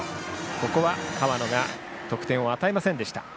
ここは河野が得点を与えません。